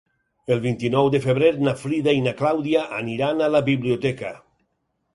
El vint-i-nou de febrer na Frida i na Clàudia aniran a la biblioteca.